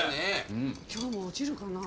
今日も落ちるかなぁ。